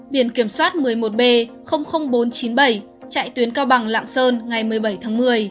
biển kiểm soát một mươi một b bốn trăm chín mươi bảy chạy tuyến cao bằng lạng sơn ngày một mươi bảy tháng một mươi